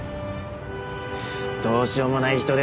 どうしようもない人ですね